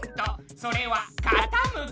それはかたむき。